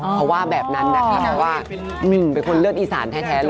เพราะว่าแบบนั้นแบบว่าเป็นคนเลิกอีสานแท้เลย